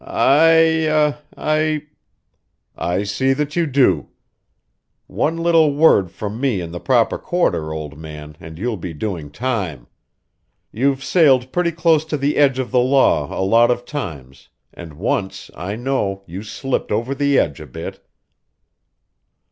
"I I " "I see that you do. One little word from me in the proper quarter, old man, and you'll be doing time. You've sailed pretty close to the edge of the law a lot of times, and once, I know, you slipped over the edge a bit."